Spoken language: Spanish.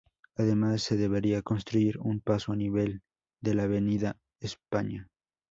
Además, se debería construir un paso a nivel de la Avenida España.